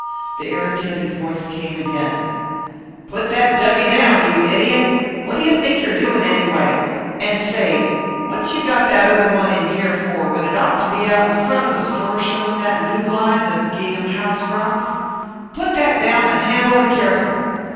The irritated voice came again: "Put that dummy down, you idiot! What you think you're doin', anyway? And say, what you got that other one in here for, when it ought to be out front of the store showin' that new line of gingham house frocks? Put that down and handle it careful!